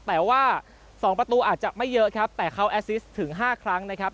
แต่ว่า๒ประตูอาจจะไม่เยอะครับแต่เขาแอสซิสถึง๕ครั้งนะครับ